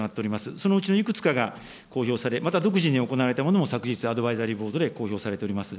そのうちのいくつかが公表され、また独自に行われたものも昨日、アドバイザリーボードで公表されております。